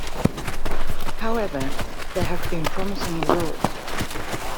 However, there have been promising results.